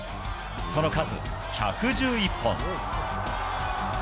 その数、１１１本。